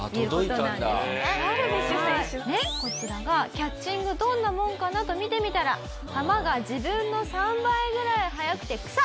「キャッチングどんなもんかなと見てみたら球が自分の３倍ぐらい速くて草」。